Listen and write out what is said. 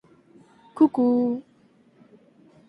Cucú!